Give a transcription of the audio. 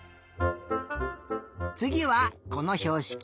つぎはこのひょうしき。